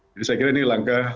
jadi saya kira ini langkah